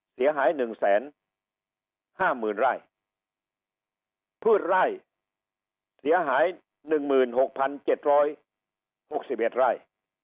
เสียหาย๑แสน๕หมื่นร่ายพืชร่ายเสียหาย๑๖๗๖๑ร่าย